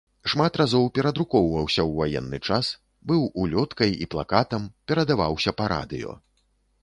Шмат разоў перадрукоўваўся ў ваенны час, быў улёткай і плакатам, перадаваўся па радыё.